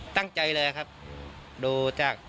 ตั้งใจเลยครับดูจาก